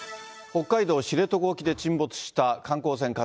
北海道知床沖で沈没した観光船ＫＡＺＵＩ。